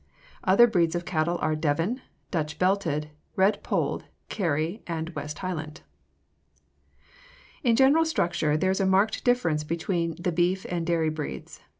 Other breeds of cattle are Devon, Dutch Belted, Red Polled, Kerry, and West Highland. In general structure there is a marked difference between the beef and dairy breeds.